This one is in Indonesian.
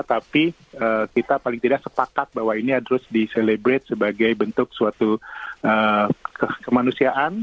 tapi kita paling tidak sepakat bahwa ini harus diselebrate sebagai bentuk suatu kemanusiaan